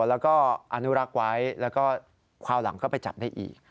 แล้วก็อนุรักษ์ไว้แล้วก็คราวหลังก็ไปจับได้อีก